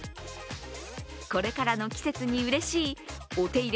これからの季節にうれしいお手入れ